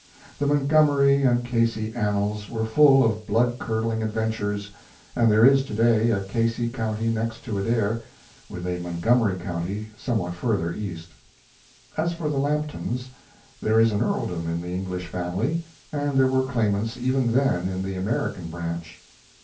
The Montgomery and Casey annals were full of blood curdling adventures, and there is to day a Casey County next to Adair, with a Montgomery County somewhat farther east. As for the Lamptons, there is an earldom in the English family, and there were claimants even then in the American branch.